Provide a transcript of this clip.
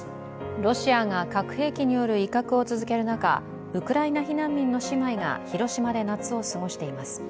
ロシアが核兵器による威嚇を続ける中、ウクライナ避難民の姉妹が広島で夏を過ごしています。